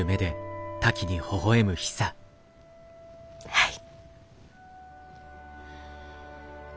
はい。